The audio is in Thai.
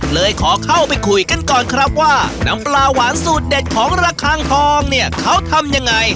เลยขอเข้าไปคุยกันก่อนครับว่าน้ำปลาหวานสูตรเด็ดของระคังทองเนี่ยเขาทำยังไง